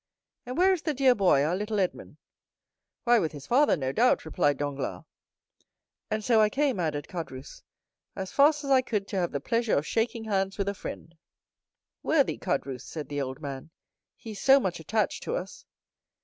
"'And where is the dear boy, our little Edmond?' "'Why, with his father, no doubt,' replied Danglars. And so I came," added Caderousse, "as fast as I could to have the pleasure of shaking hands with a friend." 0037m "Worthy Caderousse!" said the old man, "he is so much attached to us."